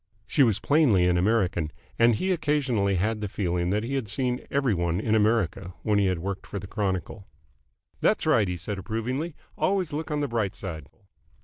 She was plainly an American, and he occasionally had the feeling that he had seen every one in America when he had worked for the Chronicle. "That's right," he said approvingly. "Always look on the bright side."